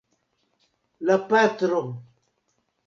La patro.